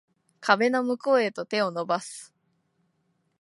壁の向こうへと手を伸ばす